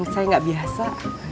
saya gak biasa